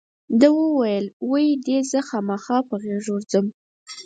ده وویل وی دې زه خامخا په غېږ ورځم.